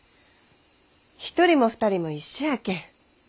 一人も二人も一緒やけん。